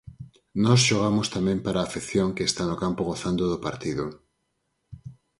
Nós xogamos tamén para a afección que está no campo gozando do partido.